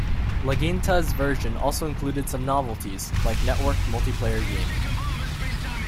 Latinga's version also included some novelties like networked multiplayer gaming.